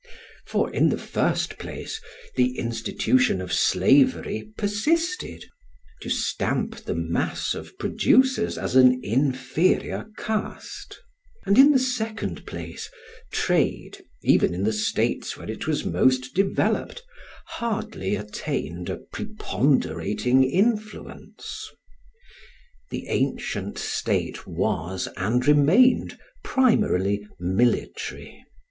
For, in the first place, the institution of slavery persisted, to stamp the mass of producers as an inferior caste; and in the second place, trade, even in the states where it was most developed, hardly attained a preponderating influence. The ancient state was and remained primarily military.